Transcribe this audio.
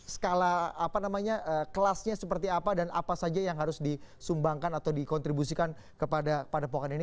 skala apa namanya kelasnya seperti apa dan apa saja yang harus disumbangkan atau dikontribusikan kepada padepokan ini